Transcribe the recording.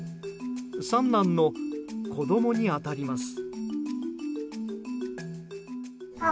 三男の子供に当たります。